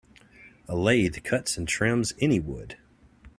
A lathe cuts and trims any wood.